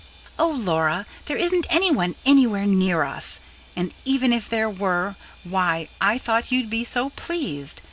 "Oh, Laura! there isn't anyone anywhere near us ... and even if there were why, I thought you'd be so pleased.